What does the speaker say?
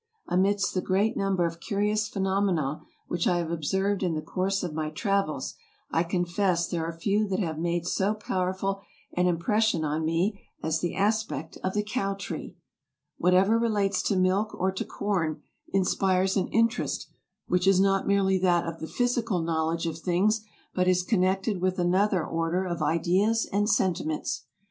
Amidst the great number of curious phenomena which I have observed in the course of my travels, I confess there are few that have made so powerful an impression on me as the aspect of the cow tree. Whatever relates to milk or to corn inspires an interest which is not merely that of the 172 AMERICA 173 physical knowledge of things, but is connected with another order of ideas and sentiments.